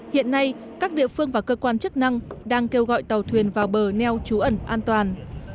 hiện nay các địa phương và cơ quan chức năng đang kêu gọi tàu thuyền vào bờ neo trú ẩn an toàn